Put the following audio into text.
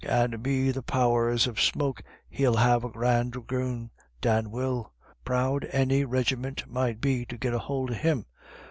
And be the powers of smoke, he'll make a grand dragoon, Dan will ; proud any regiment might be to git a hould of him.